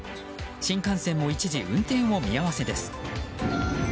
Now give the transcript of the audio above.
新幹線も一時運転を見合わせです。